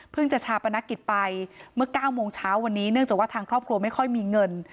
จะชาปนกิจไปเมื่อ๙โมงเช้าวันนี้เนื่องจากว่าทางครอบครัวไม่ค่อยมีเงิน